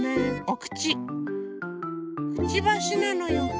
くちばしなのよ。